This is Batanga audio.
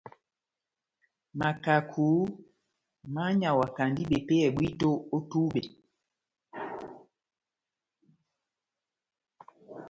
Makaku mányawakandi bepéyɛ bwíto ó tubɛ.